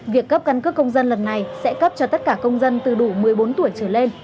việc cấp căn cước công dân lần này sẽ cấp cho tất cả công dân từ đủ một mươi bốn tuổi trở lên